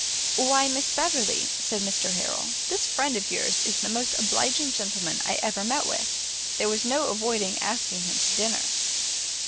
"Why, Miss Beverley," said Mr Harrel, "this friend of yours is the most obliging gentleman I ever met with; there was no avoiding asking him to dinner."